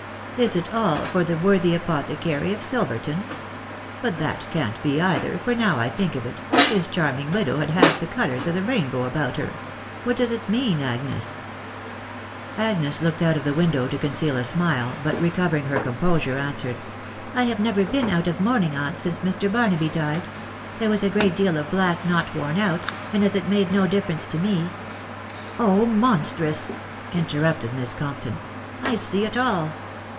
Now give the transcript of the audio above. "Is it all for the worthy apothecary of Silverton ?.... But that can't be either ; for now I think of it, his charming widow had half the colours of the rainbow about Tier .... What does it mean, Agnes ?" Agnes looked out of the window to conceal a smile, but re covering her composure, answered, ...." I have never been out of mourning, aunt, since Mr. Barnaby died. ••• There was a great deal of black not worn out, .•.• and as it made no difference to me ...."" Oh ! monstrous !".... interrupted Miss Compton. " I see it all